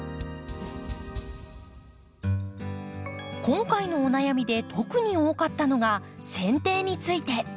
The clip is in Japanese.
今回のお悩みで特に多かったのがせん定について。